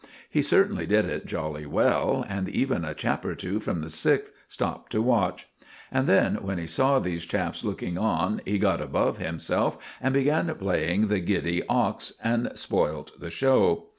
He certainly did it jolly well, and even a chap or two from the sixth stopped to watch. And then, when he saw these chaps looking on, he got above himself and began playing the giddy ox, and spoilt the show.